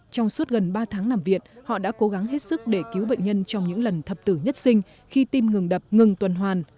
trong suốt gần ba tháng làm việc họ đã cố gắng hết sức để cứu bệnh nhân trong những lần thập tử nhất sinh khi tim ngừng đập ngừng tuần hoàn